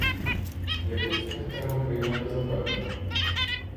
Яку ж з них треба прийняти за певну?